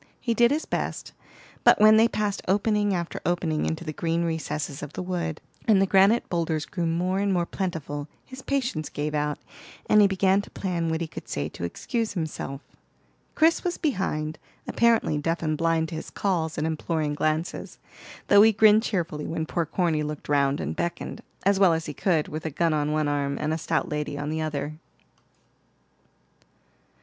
He did his best, but when they passed opening after opening into the green recesses of the wood, and the granite boulders grew more and more plentiful, his patience gave out, and he began to plan what he could say to excuse himself. Chris was behind, apparently deaf and blind to his calls and imploring glances, though he grinned cheerfully when poor Corny looked round and beckoned, as well as he could, with a gun on one arm and a stout lady on the other.